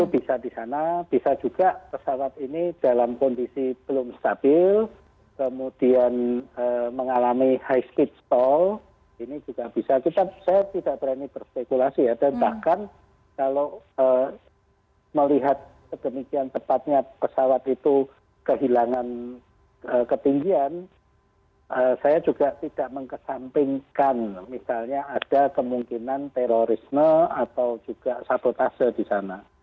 bisa di sana bisa juga pesawat ini dalam kondisi belum stabil kemudian mengalami high speed stall ini juga bisa kita saya tidak berani berstekulasi ya dan bahkan kalau melihat kegembiraan tepatnya pesawat itu kehilangan ketinggian saya juga tidak mengkesampingkan misalnya ada kemungkinan terorisme atau juga sabotase di sana